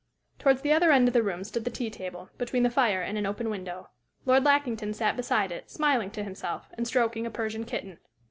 Towards the other end of the room stood the tea table, between the fire and an open window. Lord Lackington sat beside it, smiling to himself, and stroking a Persian kitten.